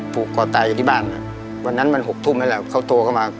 ผูกคอตายอยู่ที่บ้านวันนั้นมัน๖ทุ่มแล้วเขาโทรเข้ามา